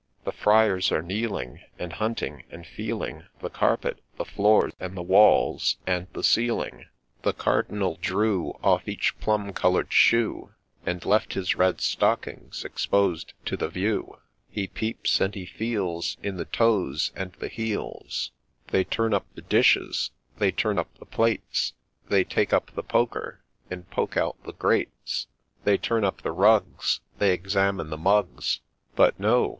The Friars are kneeling, And hunting, and feeling The carpet, the floor, and the walls, and the ceiling. The Cardinal drew Off each plum colour'd shoe, And left his red stockings exposed to the view ; He peeps, and he feels In the toes and the heels ; They turn up the dishes, — they turn up the plates, — They take up the poker and poke out the grates, — They turn up the rugs, They examine the mugs :— But, no